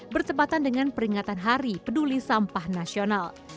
bertepatan dengan peringatan hari peduli sampah nasional